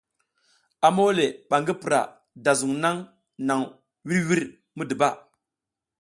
A mole ba ngi pura da zung nang nang vur vur midiba.